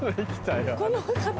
この方は。